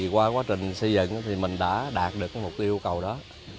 qua quá trình xây dựng mình đã đạt được mục tiêu cầu đó